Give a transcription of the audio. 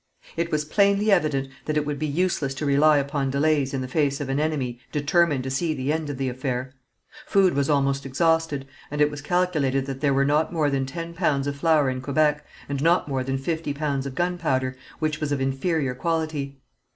It was plainly evident that it would be useless to rely upon delays in the face of an enemy determined to see the end of the affair. Food was almost exhausted, and it was calculated that there were not more than ten pounds of flour in Quebec, and not more than fifty pounds of gunpowder, which was of inferior quality.